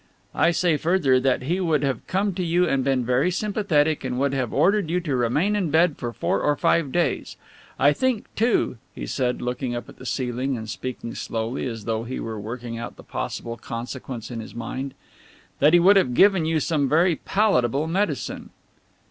I say further, that he would have come to you and been very sympathetic, and would have ordered you to remain in bed for four or five days. I think, too," he said, looking up at the ceiling and speaking slowly, as though he were working out the possible consequence in his mind, "that he would have given you some very palatable medicine."